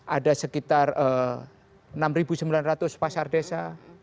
ada sekitar enam sembilan ratus pasar desa